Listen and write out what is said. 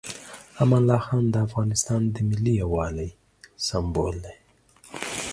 امان الله خان د افغانستان د ملي یووالي سمبول دی.